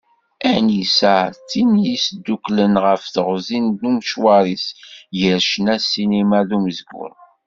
Anisa, d tin i d-yesduklen ɣef teɣzi n umecwar-is gar ccna, ssinima d umezgun.